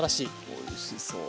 おいしそう。